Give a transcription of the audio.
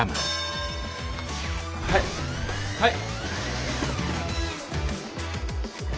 はいはい。